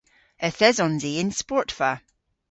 Yth esons i y'n sportva.